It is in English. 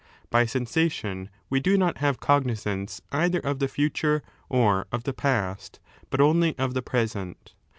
By sensation we do not have cognizance either of the future or of the past, but only of the 3 present.